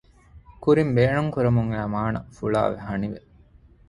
ކުރިން ބޭނުންކުރަމުން އައި މާނަ ފުޅާވެ ހަނިވެ